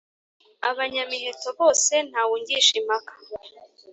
Abanyamiheto bose ntawe ungisha impaka.